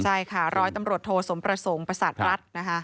ใช่ค่ะร้อยตำรวจโทสมประสงค์ประสาทรัฐนะคะ